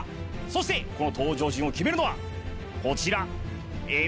そしてこの登場順を決めるのはこちら笑